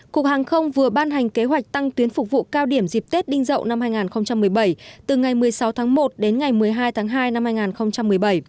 cục hàng không vừa ban hành kế hoạch tăng tuyến phục vụ cao điểm dịp tết đinh dậu năm hai nghìn một mươi bảy từ ngày một mươi sáu tháng một đến ngày một mươi hai tháng hai năm hai nghìn một mươi bảy